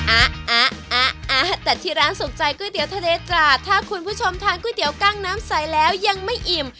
อ่ะแต่ที่ร้านสุขใจก๋วยเตี๋ยวทะเลตราดถ้าคุณผู้ชมทานก๋วยเตี๋ยวกั้งน้ำใสแล้วยังไม่อิ่ม